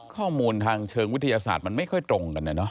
ข้อมูลทางเชิงวิทยาศาสตร์มันไม่ค่อยตรงกันนะเนอ